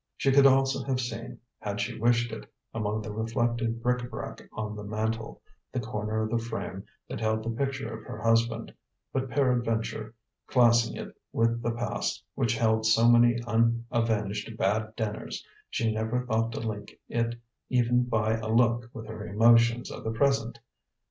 She could also have seen, had she wished it, among the reflected bric a brac of the mantel, the corner of the frame that held the picture of her husband, but peradventure, classing it with the past which held so many unavenged bad dinners, she never thought to link it even by a look with her emotions of the present.